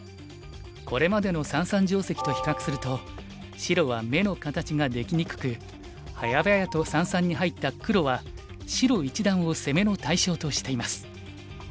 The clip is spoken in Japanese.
これまでの三々定石と比較すると白は眼の形ができにくくはやばやと三々に入った黒は白一団を攻めの対象としています。